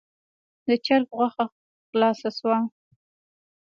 د چرګ غوښه خلاصه شوه.